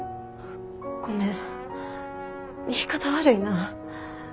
ごめん言い方悪いな。